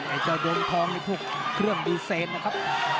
ไอ้เจ้าโดมท้องในพวกเครื่องยูเซนนะครับ